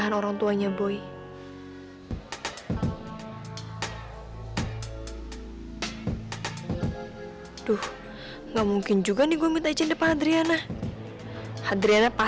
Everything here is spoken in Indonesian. semoga papi mau izinin aku untuk pergi ke pesta ulang tahunnya